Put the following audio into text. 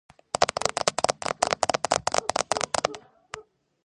ზემო დინებაში მთის მდინარეა, ქვევით კი ვაკეზე მიედინება.